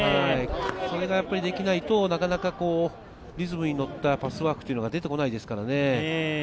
それができないと、なかなかリズムに乗ったパスワークというのが出てこないですからね。